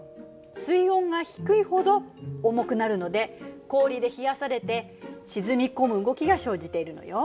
水温が低いほど重くなるので氷で冷やされて沈み込む動きが生じているのよ。